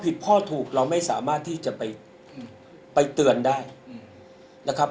ผิดข้อถูกเราไม่สามารถที่จะไปเตือนได้นะครับ